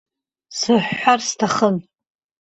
Сыҳәҳәар сҭахын.